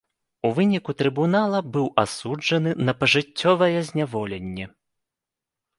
У выніку трыбунала быў асуджаны на пажыццёвае зняволенне.